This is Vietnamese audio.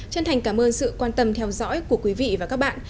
chân thành cảm ơn sự quan tâm theo dõi của quý vị và các bạn